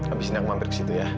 abis ini aku mampir kesitu ya